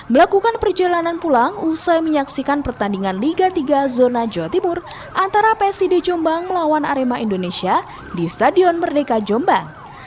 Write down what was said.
melakukan perjalanan pulang usai menyaksikan pertandingan liga tiga zona jawa timur antara psid jombang melawan arema indonesia di stadion merdeka jombang